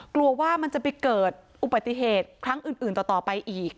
กลัวว่ามันจะไปเกิดอุบัติเหตุครั้งอื่นต่อไปอีก